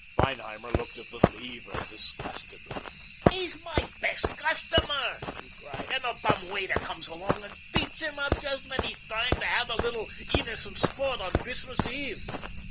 Feinheimer looked at Little Eva disgustedly. "He's my best customer," he cried, "and a bum waiter comes along and beats him up just when he is trying to have a little innocent sport on Christmas Eve.